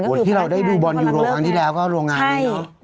ที่เราได้ดูบอลยูโรครั้งที่แล้วก็โรงงานนี้เนอะ